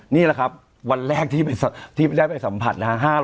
นี่แหละครับวันแรกที่ได้ไปสัมผัสนะครับ